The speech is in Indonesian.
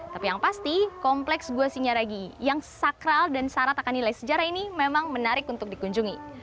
tapi yang pasti kompleks gua sinyaragi yang sakral dan syarat akan nilai sejarah ini memang menarik untuk dikunjungi